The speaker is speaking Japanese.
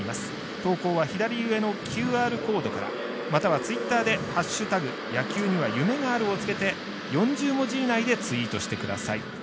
投稿は左上のＱＲコードからまたはツイッターで「＃野球には夢がある」を付けて４０文字以内でツイートしてください。